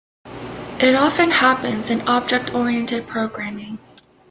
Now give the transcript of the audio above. It often happens in object-oriented programming.